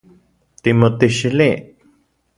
¿Timotixili?